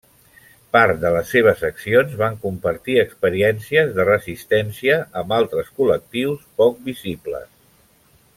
Part de les seves accions van compartir experiències de resistència amb altres col·lectius poc visibles.